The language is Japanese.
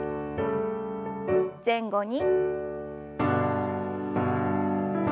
前後に。